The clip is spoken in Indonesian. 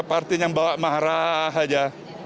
partin yang bawa marah aja